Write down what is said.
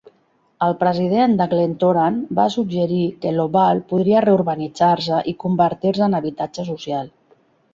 El president de Glentoran va suggerir que l'Oval podria reurbanitzar-se i convertir-se en habitatge social.